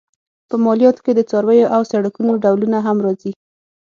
په مالیاتو کې د څارویو او سړکونو ډولونه هم راځي.